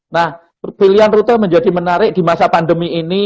nah pilihan rute menjadi menarik di masa pandemi ini